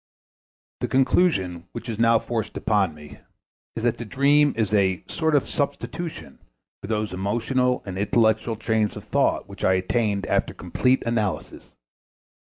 The conclusion which is now forced upon me is that the dream is a sort of substitution for those emotional and intellectual trains of thought which I attained after complete analysis.